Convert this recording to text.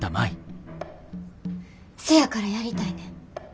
せやからやりたいねん。